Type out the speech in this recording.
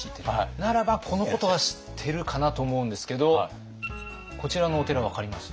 ならばこのことは知ってるかなと思うんですけどこちらのお寺分かります？